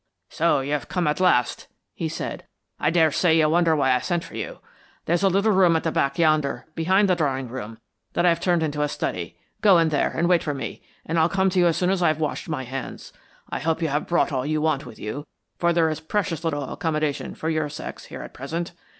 "So you've come at last," he said. "I daresay you wonder why I sent for you. There is a little room at the back yonder, behind the drawing room, that I have turned into a study. Go in there and wait for me, and I'll come to you as soon as I have washed my hands. I hope you have brought all you want with you; for there is precious little accommodation for your sex here at present.